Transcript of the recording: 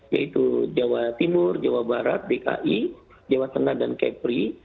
yaitu jawa timur jawa barat dki jawa tengah dan kepri